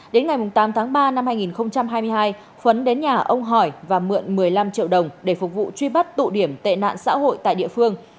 đến ngày tám tháng ba năm hai nghìn hai mươi hai khuấn đến nhà ông hỏi và mượn một mươi năm triệu đồng để phục vụ truy bắt tụ điểm tệ nạn xã hội tại địa phương